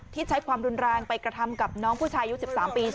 ที่ใช้ความรุนรางไปกระทำกับน้องผู้ชายยูนสิบสามปี